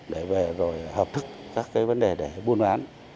để về rồi hợp thức các cái vấn đề để buôn bán